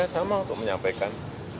ya sama untuk menyampaikan